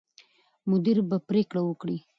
مدیر به پرېکړه وکړي.